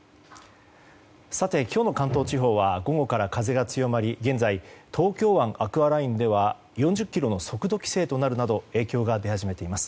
さて、今日の関東地方は午後から風が強まり現在、東京湾アクアラインでは４０キロの速度規制になるなど影響が出始めています。